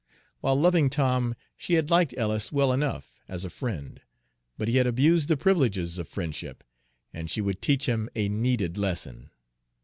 While loving Tom, she had liked Ellis well enough, as a friend; but he had abused the privileges of friendship, and she would teach him a needed lesson.